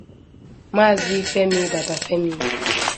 Maazị Femi Babafemi